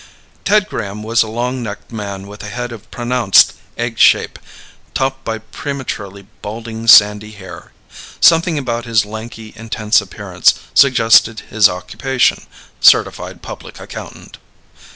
Ted Graham was a long necked man with a head of pronounced egg shape topped by prematurely balding sandy hair. Something about his lanky, intense appearance suggested his occupation: certified public accountant.